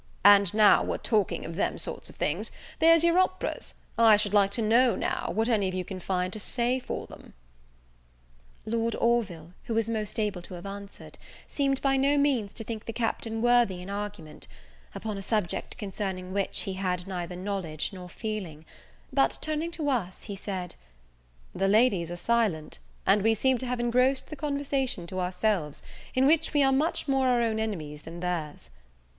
"And now we're talking of them sort of things, there's your operas, I should like to know, now, what any of you can find to say for them." Lord Orville, who was most able to have answered, seemed by no means to think the Captain worthy an argument, upon a subject concerning which he had neither knowledge nor feeling: but, turning to us, he said, "The ladies are silent, and we seem to have engrossed the conversation to ourselves, in which we are much more our own enemies than theirs.